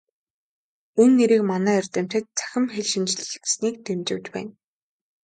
Энэ нэрийг манай эрдэмтэд "Цахим хэлшинжлэл" гэснийг дэмжиж байна.